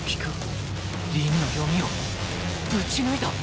凛の読みをぶち抜いた！